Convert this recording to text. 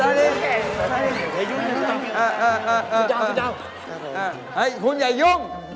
เฮ้คุณอย่ายุ่ง